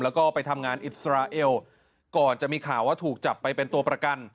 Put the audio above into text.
แล้วก็ไปทำงานอิสราเอลก่อนจะมีข่าวว่าถูกจับไปเป็นตัวประกัน